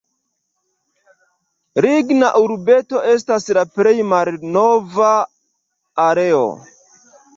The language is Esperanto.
Ligna Urbeto estas la plej malnova areo.